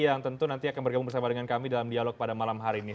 yang tentu nanti akan bergabung bersama dengan kami dalam dialog pada malam hari ini